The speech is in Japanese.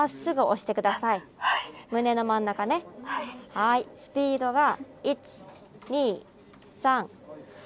はいスピードが１２３４。